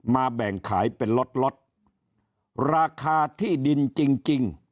แบ่งขายเป็นล็อตราคาที่ดินจริงจริง